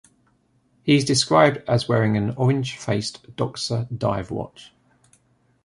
He is described as wearing an orange-faced Doxa dive watch.